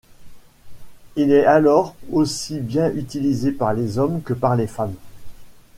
Il est alors aussi bien utilisé par les hommes que par les femmes.